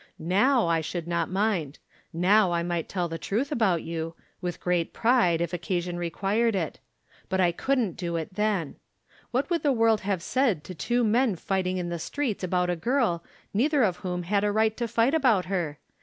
Now I should not mind. Now I might tell the truth about you, with great pride, if occasion required it. But I couldn't do it then. What would the world have said to two men fighting in the streets about a girl, neither of whom had a right to fight about her?